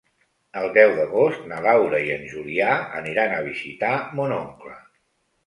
El deu d'agost na Laura i en Julià aniran a visitar mon oncle.